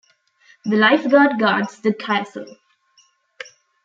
The Life Guard guards the castle.